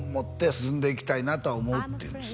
「進んでいきたいなとは思う」って言うんです